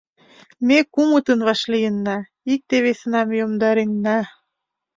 Ме кумытын вашлийынна, икте-весынам йомдаренна.